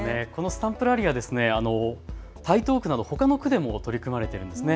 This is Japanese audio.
スタンプラリーは台東区などほかの区でも取り組まれているんです。